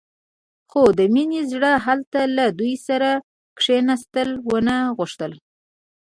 خو د مينې زړه هلته له دوی سره کښېناستل ونه غوښتل.